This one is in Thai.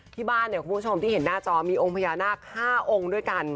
ที่บ้านเนี่ยคุณผู้ชมที่เห็นหน้าจอมีองค์พญานาค๕องค์ด้วยกัน